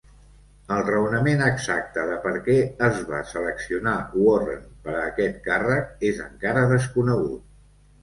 El raonament exacte de per què es va seleccionar Warren per a aquest càrrec és encara desconegut.